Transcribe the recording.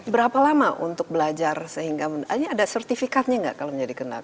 berapa lama untuk belajar sehingga ini ada sertifikatnya nggak kalau menjadi kena